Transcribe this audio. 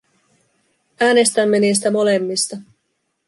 Äänestämme niistä molemmista.